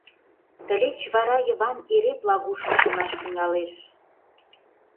Тылеч вара Йыван эре Плагушым шонаш тӱҥалеш...